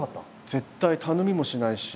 絶対頼みもしないし。